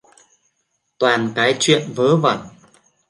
toàn cái chuyện vớ vẩn